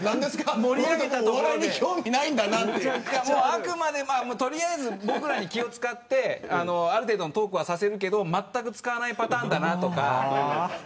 あくまで僕たちに気を使ってある程度のトークはさせるけどまったく使わないパターンだなとか。